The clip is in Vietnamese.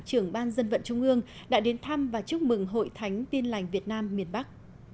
trưởng ban dân vận trung ương đã đến thăm và chúc mừng hội thánh tin lành việt nam miền bắc